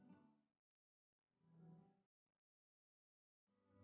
tuh akan awasi kalau cham semuanya